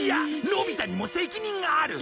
のび太にも責任がある！